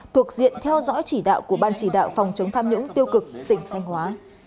thuộc diện theo dõi chỉ đạo của ban chỉ đạo phòng chống tham nhũng tiêu cực tỉnh thanh hóa